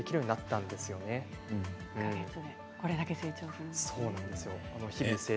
１か月でこれだけ成長するんですね。